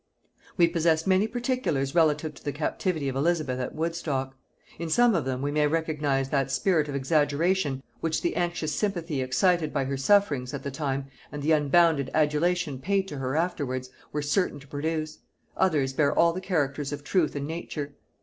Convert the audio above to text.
We possess many particulars relative to the captivity of Elizabeth at Woodstock. In some of them we may recognise that spirit of exaggeration which the anxious sympathy excited by her sufferings at the time, and the unbounded adulation paid to her afterwards, were certain to produce; others bear all the characters of truth and nature.